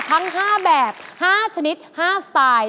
ทั้ง๕แบบ๕ชนิด๕สไตล์